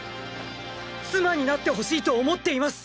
妻になってほしいと思っています！